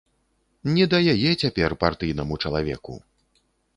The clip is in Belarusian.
Ні да яе цяпер партыйнаму чалавеку.